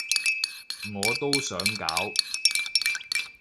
我都想搞